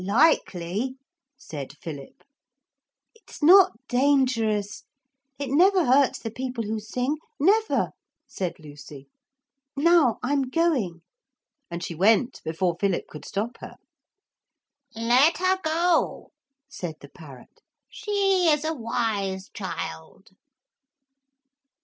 Likely!' said Philip. 'It's not dangerous. It never hurts the people who sing never,' said Lucy. 'Now I'm going.' And she went before Philip could stop her. 'Let her go,' said the parrot; 'she is a wise child.'